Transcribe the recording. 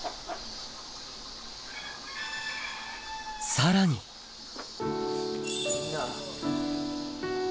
さらにみんな。